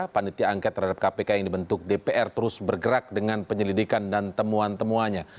panitia angket terhadap kpk yang dibentuk dpr terus bergerak dengan penyelidikan dan temuan temuannya